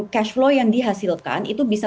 cash flow yang dihasilkan itu bisa